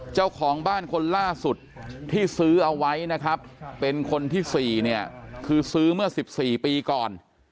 เจ้าของบ้านคนล่าสุดที่ซื้อเอาไว้นะครับเป็นคนที่๔เนี่ยคือซื้อเมื่อ๑๔ปีก่อน